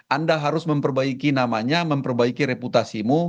anda harus memperbaiki namanya memperbaiki reputasimu